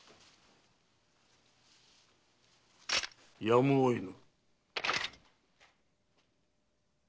やむを得ぬ。